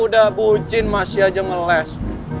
udah bucin masih aja meles